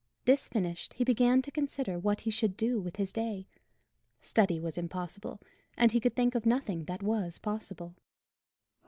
This finished, he began to consider what he should do with his day. Study was impossible; and he could think of nothing that was possible.